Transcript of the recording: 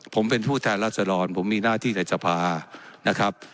ผมเป็นผู้แทนรัศดรผมมีหน้าที่ในสภานะครับ